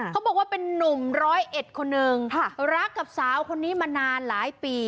เขาบอกว่าเป็นนุ่มร้อยเอ็ดคนหนึ่งรักกับสาวคนนี้มานานหลายปี